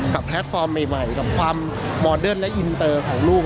แพลตฟอร์มใหม่กับความมอเดิร์นและอินเตอร์ของลูก